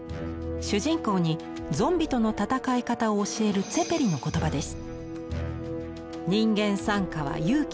主人公に屍生人との戦い方を教えるツェペリの言葉です。